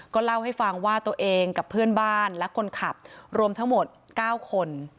เล่าให้ฟังว่าตัวเองกับเพื่อนบ้านและคนขับรวมทั้งหมด๙คน